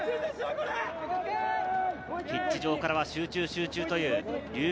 ピッチ上からは集中、集中、という龍谷